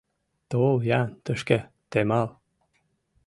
— Тол-ян тышке, Темал!